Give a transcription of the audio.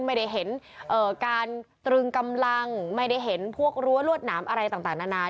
ไม่ได้เห็นการตรึงกำลังไม่ได้เห็นพวกรั้วรวดหนามอะไรต่างนานา